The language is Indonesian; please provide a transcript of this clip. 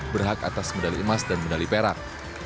berhak atas medali emas dan medali perak